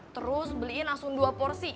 terus beliin langsung dua porsi